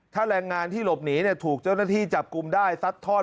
ถ้าแรงงานที่หลบหนีถูกเจ้าหน้าที่จับกลุ่มได้ซัดทอด